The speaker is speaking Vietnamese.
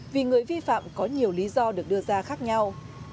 vì người vi phạm có nhiều lý do được đưa ra khác nhau